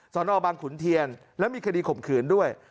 สนบางขุนเทียนแล้วมีคดีข่มขืนด้วย